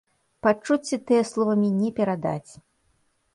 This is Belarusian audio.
Пачуцці тыя словамі не перадаць.